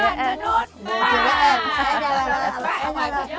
หนึ่งสองซ้ำยาดมนุษย์ป้า